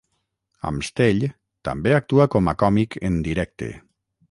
Amstell també actua com a còmic en directe.